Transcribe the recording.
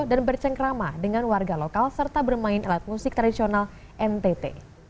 dan bercengkrama dengan warga lokal serta bermain alat musik tradisional mtt